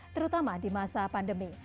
terutama di masa pandemi